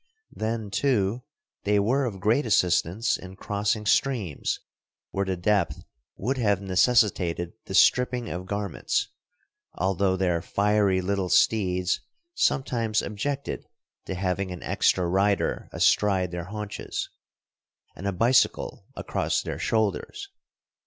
Then, too, they were of great assistance in crossing streams where the depth would have necessitated the stripping of garments; although their fiery little steeds sometimes objected to having an extra rider astride their haunches, and a bicycle across their shoulders.